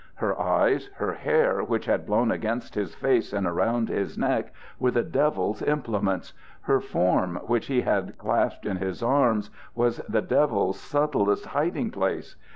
Her eyes, her hair, which had blown against his face and around his neck, were the Devil's implements; her form, which he had clasped in his arms, was the Devil's subtlest hiding place.